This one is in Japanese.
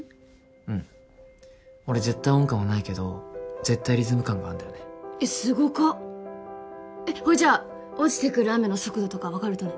うん俺絶対音感はないけど絶対リズム感があんだよねえっすごかほいじゃあ落ちてくる雨の速度とか分かるとね？